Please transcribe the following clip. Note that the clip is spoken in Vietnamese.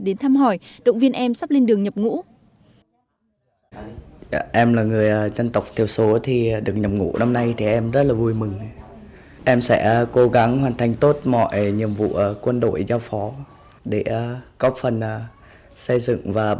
đến thăm hỏi động viên em sắp lên đường nhập ngũ